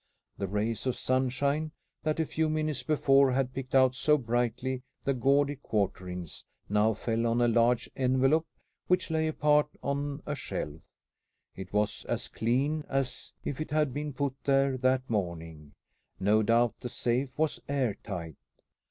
The rays of sunshine, that a few minutes before had picked out so brightly the gaudy quarterings, now fell on a large envelope which lay apart on a shelf. It was as clean as if it had been put there that morning. No doubt the safe was air tight.